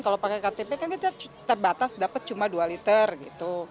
kalau pakai ktp kan kita terbatas dapat cuma dua liter gitu